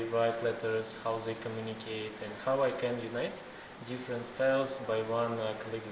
bagaimana mereka berkomunikasi dan bagaimana saya bisa bergabung dengan stil yang berbeda dengan stil kolegrafi